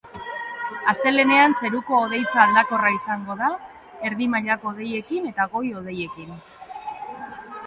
Astelehenean zeruko hodeitza aldakorra izango da, erdi mailako hodeiekin eta goi-hodeiekin.